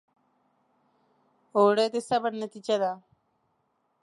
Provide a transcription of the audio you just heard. اوړه د صبر نتیجه ده